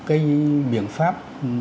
cái biện pháp